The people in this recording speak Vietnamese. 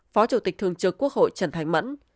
sáu phó chủ tịch thường trực quốc hội trần thánh mẫn